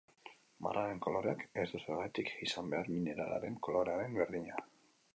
Marraren koloreak ez du zergatik izan behar mineralaren kolorearen berdina.